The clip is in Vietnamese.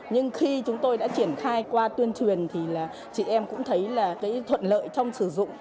nhưng khi chúng tôi đã triển khai qua tuyên truyền thì là chị em cũng thấy là cái thuận lợi trong sử dụng